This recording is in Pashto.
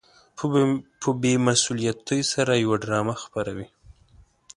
په بې مسؤليتۍ سره يوه ډرامه خپروي.